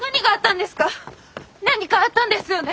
何かあったんですよね？